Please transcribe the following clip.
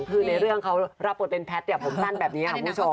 เพราะฉะนั้นเขารับประวัติเป็นแพทย์เดี๋ยวผมตั้นแบบนี้ค่ะคุณผู้ชม